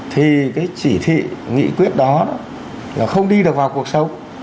thì cái chỉ thị nghị quyết đó là không đi được vào cuộc sống